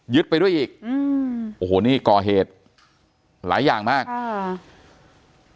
ไปด้วยอีกอืมโอ้โหนี่ก่อเหตุหลายอย่างมากอ่า